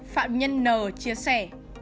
phạm nhân n chia sẻ